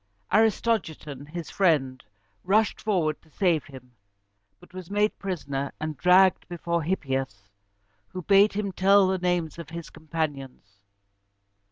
Aristogiton, his friend, rushed forward to save him, but was made prisoner, and dragged before Hippias, who bade him tell the names of his companions.